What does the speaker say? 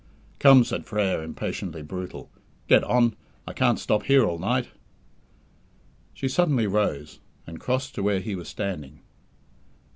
"Come," said Frere, impatiently brutal, "get on. I can't stop here all night." She suddenly rose, and crossed to where he was standing.